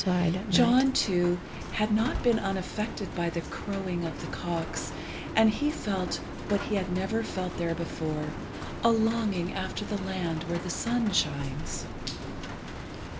John, too, had not been unaffected by the crowing of the cocks, and he felt what he had never felt there before, a longing after the land where the sun shines.